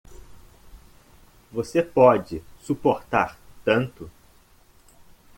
Você pode suportar tanto.